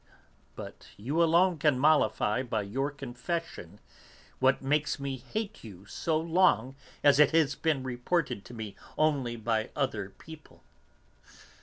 But you alone can mollify by your confession what makes me hate you so long as it has been reported to me only by other people.